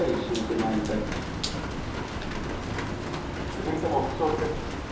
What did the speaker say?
続いても不祥事です。